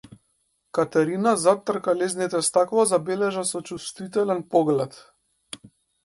Катерина зад тркалезните стакла забележа сочувствителен поглед.